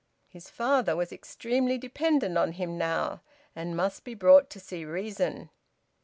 His father was extremely dependent on him now, and must be brought to see reason.